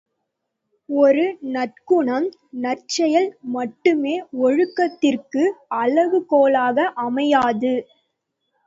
ஒரு நற்குணம், நற்செயல் மட்டுமே ஒழுக்கத்திற்கு அளவு கோலாக அமையாது.